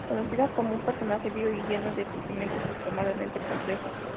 Conocida como un personaje vio y lleno de sentimientos, extremadamente complejo.